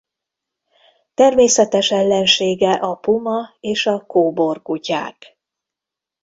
Természetes ellensége a puma és a kóbor kutyák.